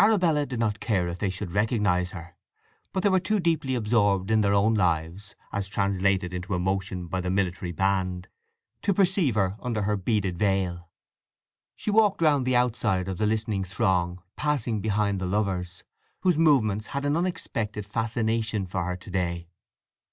Arabella did not care if they should recognize her; but they were too deeply absorbed in their own lives, as translated into emotion by the military band, to perceive her under her beaded veil. She walked round the outside of the listening throng, passing behind the lovers, whose movements had an unexpected fascination for her to day.